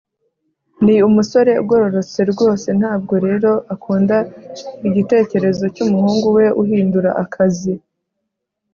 Ni umusore ugororotse rwose ntabwo rero akunda igitekerezo cyumuhungu we uhindura akazi